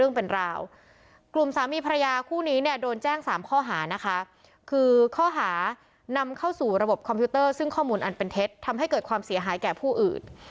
นำเข้าสู่ระบบคอมพิวเตอร์ซึ่งข้อมูลอันเป็นเท็จทำให้เกิดความเสียหายแก่ผู้อื่น